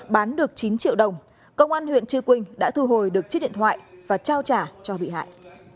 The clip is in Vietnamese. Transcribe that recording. bán được chín triệu đồng công an huyện chư quynh đã thu hồi được chiếc điện thoại và trao trả cho bị hại